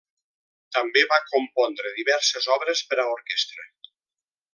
També va compondre diverses obres per a orquestra.